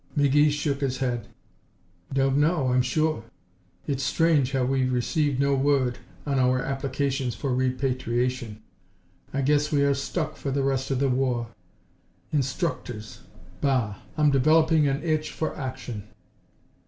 McGee shook his head. "Don't know, I'm sure. It's strange how we've received no word on our applications for repatriation. I guess we are stuck for the rest of the war. Instructors! Bah! I'm developing an itch for action."